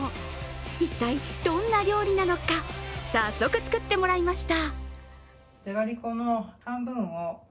一体、どんな料理なのか、早速作ってもらいました。